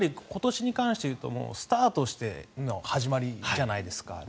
今年に関して言うとスタートしての始まりじゃないですか。